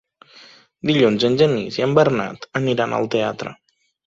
Dilluns en Genís i en Bernat aniran al teatre.